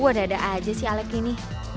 ada ada aja sih alex ini